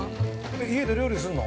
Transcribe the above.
家で料理するの？